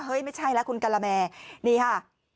เฮ้ยไม่ใช่แล้วคุณกัลแมนี่ฮะ